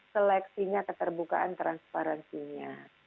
seleksinya keterbukaan transparansinya